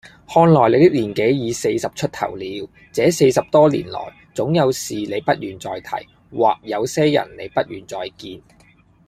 看來你的年紀也四十出頭了，這四十多年來，總有事你不願再提，或有些人你不願再見。